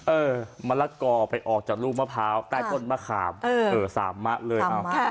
เออมะละกอไปออกจากลูกมะพร้าวใต้ต้นมะขามสามมะเลย